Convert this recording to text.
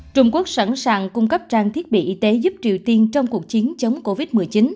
trung quốc sẵn sàng cung cấp trang thiết bị y tế giúp triều tiên trong cuộc chiến chống covid một mươi chín